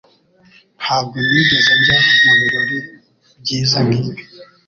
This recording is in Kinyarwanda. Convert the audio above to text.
Ntabwo nigeze njya mubirori byiza nkibi.